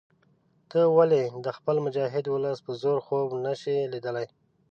ته ولې د خپل مجاهد ولس په زور خوب نه شې لیدلای.